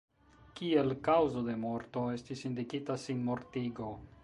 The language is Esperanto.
Kiel kaŭzo de morto estis indikita sinmortigo.